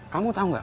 kamu tahu enggak